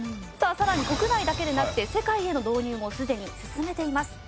更に国内だけでなくて世界への導入もすでに進めています。